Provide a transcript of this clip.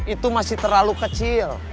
itu masih terlalu kecil